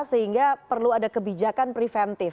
sehingga perlu ada kebijakan preventif